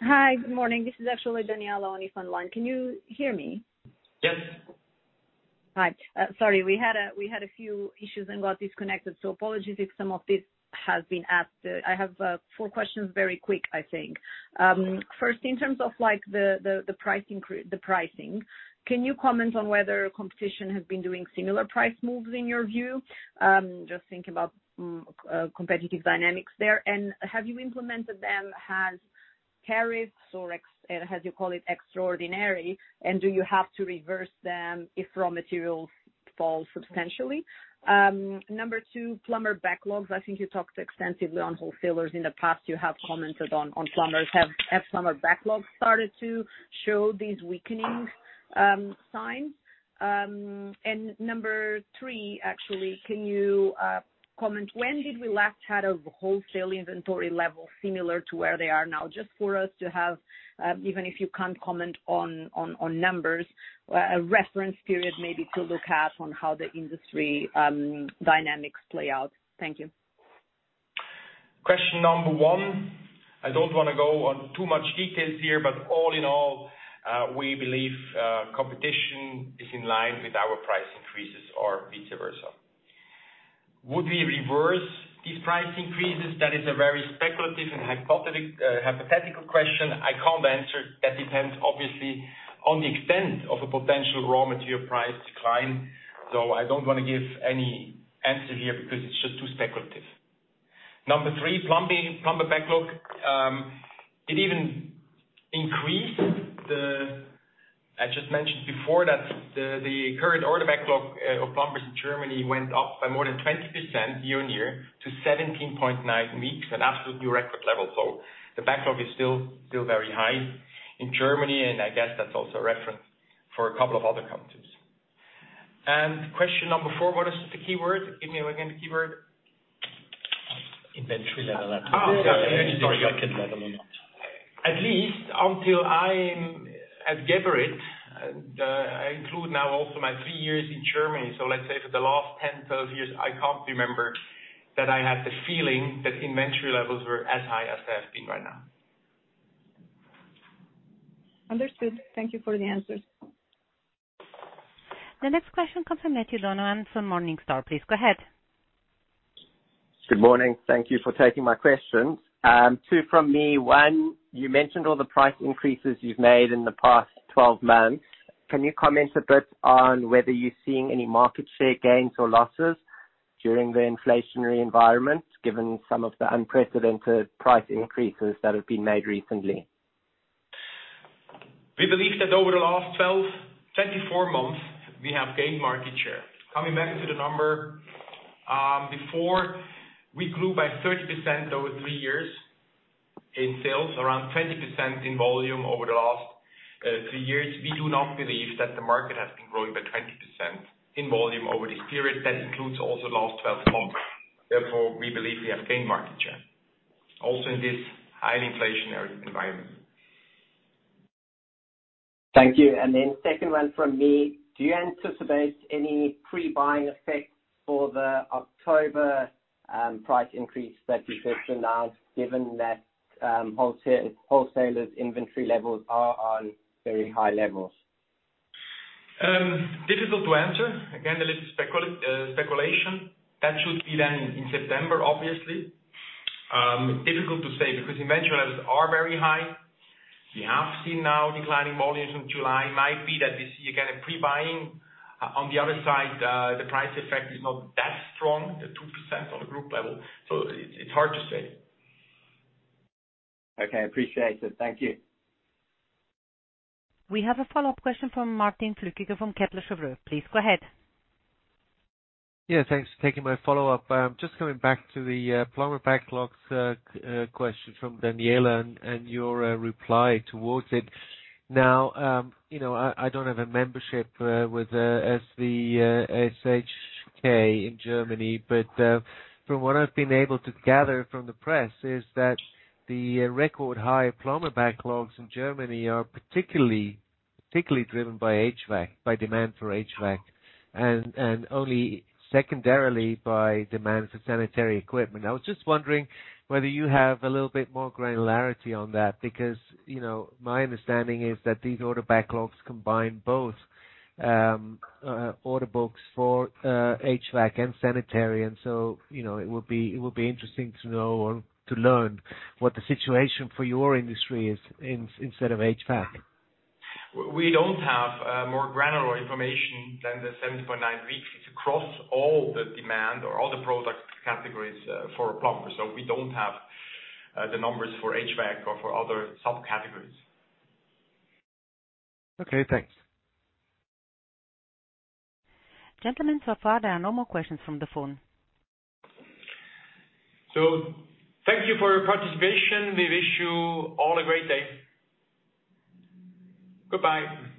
Hi. Good morning. This is actually Daniela on Yifan line. Can you hear me? Yes. Hi. Sorry, we had a few issues and got disconnected, so apologies if some of this has been asked. I have four questions very quick, I think. First, in terms of the pricing, can you comment on whether competition has been doing similar price moves in your view? Just thinking about competitive dynamics there. Have you implemented them as tariffs or ex, or as you call it, extraordinary, and do you have to reverse them if raw materials fall substantially? Number two, plumber backlogs. I think you talked extensively on wholesalers in the past. You have commented on plumbers. Have plumber backlogs started to show these weakening signs? Number three, actually, can you comment when did we last had a wholesale inventory level similar to where they are now? Just for us to have, even if you can't comment on numbers, a reference period maybe to look at on how the industry dynamics play out. Thank you. Question number one, I don't wanna go on too much details here, but all in all, we believe competition is in line with our price increases or vice versa. Would we reverse these price increases? That is a very speculative and hypothetical question I can't answer. That depends, obviously, on the extent of a potential raw material price decline. So I don't wanna give any answer here because it's just too speculative. Number three, plumbing, plumber backlog, it even increased. I just mentioned before that the current order backlog of plumbers in Germany went up by more than 20% year-on-year to 17.9 weeks, an absolute new record level. So the backlog is still very high in Germany, and I guess that's also a reference for a couple of other countries. Question number four, what is the keyword? Give me again the keyword. Inventory level. At least until I'm at Geberit, I include now also my three years in Germany. Let's say for the last 10, 12 years, I can't remember that I had the feeling that inventory levels were as high as they have been right now. Understood. Thank you for the answers. The next question comes from Matthew Donen from Morningstar. Please go ahead. Good morning. Thank you for taking my questions. Two from me. One, you mentioned all the price increases you've made in the past 12 months. Can you comment a bit on whether you're seeing any market share gains or losses during the inflationary environment, given some of the unprecedented price increases that have been made recently? We believe that over the last 12, 24 months, we have gained market share. Coming back to the number, before, we grew by 30% over three years in sales, around 20% in volume over the last three years. We do not believe that the market has been growing by 20% in volume over this period. That includes also the last 12 months. Therefore, we believe we have gained market share also in this high inflationary environment. Thank you. Second one from me. Do you anticipate any pre-buying effect for the October price increase that you just announced, given that wholesalers inventory levels are on very high levels? Difficult to answer. Again, a little speculation. That should be then in September, obviously. Difficult to say because inventory levels are very high. We have seen now declining volumes in July. Might be that we see again a pre-buying. On the other side, the price effect is not that strong, the 2% on a group level, so it's hard to say. Okay. Appreciate it. Thank you. We have a follow-up question from Martin Flueckiger from Kepler Cheuvreux. Please go ahead. Yeah. Thanks for taking my follow-up. Just coming back to the plumber backlogs question from Daniela and your reply towards it. Now, you know, I don't have a membership with ZVSHK in Germany, but from what I've been able to gather from the press is that the record high plumber backlogs in Germany are particularly driven by HVAC, by demand for HVAC, and only secondarily by demand for sanitary equipment. I was just wondering whether you have a little bit more granularity on that because, you know, my understanding is that these order backlogs combine both order books for HVAC and sanitary. You know, it would be interesting to know or to learn what the situation for your industry is instead of HVAC. We don't have more granular information than the 17.9 weeks. It's across all the demand or all the product categories for a plumber. We don't have the numbers for HVAC or for other sub-categories. Okay. Thanks. Gentlemen, so far there are no more questions from the phone. Thank you for your participation. We wish you all a great day. Goodbye.